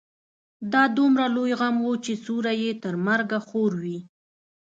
دا دومره لوی غم و چې سيوری يې تر مرګه خور وي.